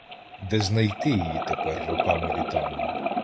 Де знайти її тепер роками-літами?